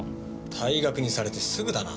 退学にされてすぐだな。